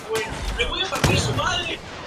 Se encuentra en la sede de la organización.